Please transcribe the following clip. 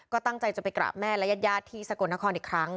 ก็ตั้งใจจะไปกราบแม่และญาติที่สกลนครอีกครั้ง